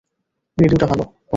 রেডিওটা তোলো, বন্ধু।